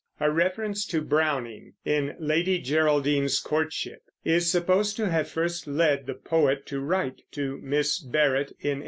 A reference to Browning, in "Lady Geraldine's Courtship," is supposed to have first led the poet to write to Miss Barrett in 1845.